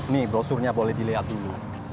nih brosurnya boleh dilihat dulu